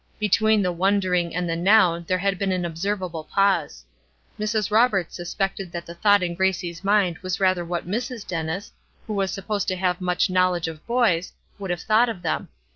Between the "wondering" and the noun there had been an observable pause. Mrs. Roberts suspected that the thought in Gracie's mind was rather what Mrs. Dennis, who was supposed to have much knowledge of boys, would have thought of them.